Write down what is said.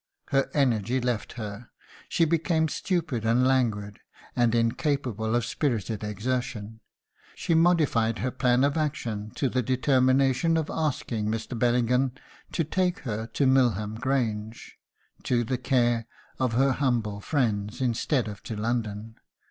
Her energy left her; she became stupid and languid, and incapable of spirited exertion; she modified her plan of action to the determination of asking Mr. Bellingham to take her to Milham Grange, to the care of her humble friends, instead of to London.